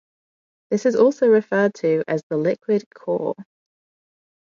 This is also referred to as the "liquid core".